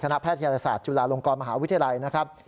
แพทยศาสตร์จุฬาลงกรมหาวิทยาลัยนะครับ